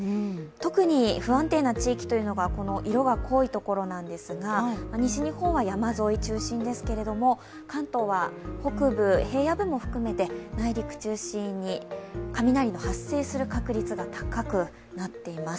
特に不安定な地域というのが色が濃いところなんですが西日本は山沿い中心ですけれども関東は北部、平野部も含めて内陸中心に雷の発生する確率が高くなっています。